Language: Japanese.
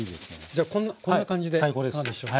じゃあこんな感じでいかがでしょう？